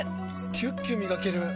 キュッキュ磨ける！